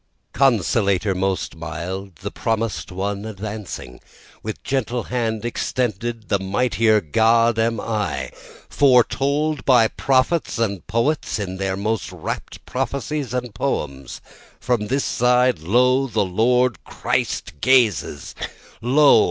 2 Consolator most mild, the promis'd one advancing, With gentle hand extended, the mightier God am I, Foretold by prophets and poets in their most rapt prophecies and poems, From this side, lo! the Lord Christ gazes lo!